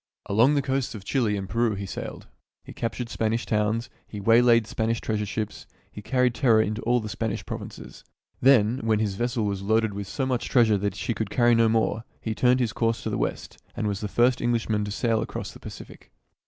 Along the coasts of Chile and Peru he sailed. He captured Spanish towns, he waylaid Spanish treas ure ships, he carried terror into all the Spanish provinces. Then, when his vessel was loaded with so much treasure that she could carry no more, he 22 THIRTY MORE FAMOUS STORIES turned his course to the west, and was the first EngHshman to sail across the Pacific.